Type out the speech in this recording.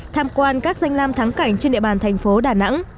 tham quan các danh lam thắng cảnh trên địa bàn thành phố đà nẵng